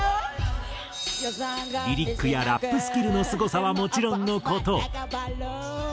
リリックやラップスキルのすごさはもちろんの事。